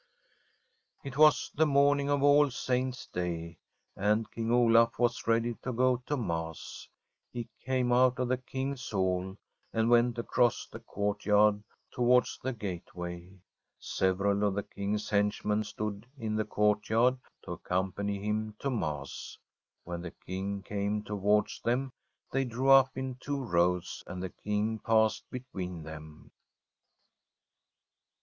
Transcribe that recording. It was the morning of All Saints' Day, and King Olaf was ready to go to Mass. He came out of the King's Hall and went across the court yard towards the gateway. Several of the King's henchmen stood in the courtyard to accompany him to Mass. When the King came towards them, they drew up in two rows, and the King passed between them.